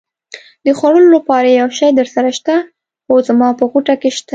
د خوړلو لپاره یو شی درسره شته؟ هو، زما په غوټه کې شته.